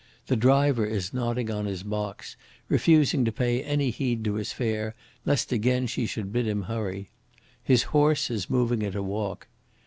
The driver is nodding on his box, refusing to pay any heed to his fare lest again she should bid him hurry. His horse is moving at a walk.